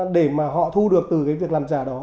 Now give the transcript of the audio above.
để mà họ thu được từ cái việc làm giả đó